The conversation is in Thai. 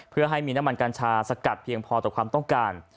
เพื่อให้มีน้ำมันกัญชาสกัดเพียงพอต่อความต้องการ